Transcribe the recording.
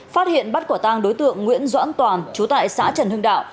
phát hiện bắt quả tang đối tượng nguyễn doãn toàn chú tại xã trần hưng đạo